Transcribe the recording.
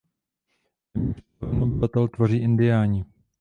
Téměř polovinu obyvatel tvoří indiáni.